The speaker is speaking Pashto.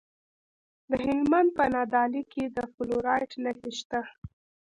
د هلمند په نادعلي کې د فلورایټ نښې شته.